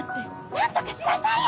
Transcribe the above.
なんとかしなさいよ！